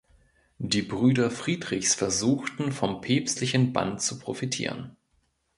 Die Brüder Friedrichs versuchten, vom päpstlichen Bann zu profitieren.